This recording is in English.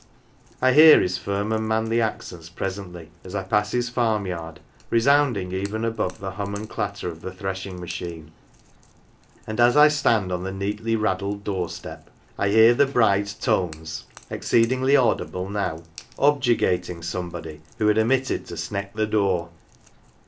I hear his firm and manly accents presently, as I pa.ss his farmyard, resounding even above the hum and clatter of the threshing machine ; and as I stand on the 228 HERE AND THERE neatly raddled doorstep I hear the bride's tones (exceedingly audible now) objurgating somebody who had omitted to " sneck the door."